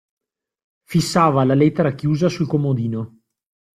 Fissava la lettera chiusa sul comodino.